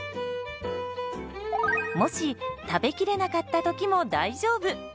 もし食べきれなかった時も大丈夫。